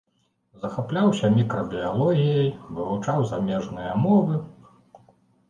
Захапляўся мікрабіялогіяй, вывучаў замежныя мовы.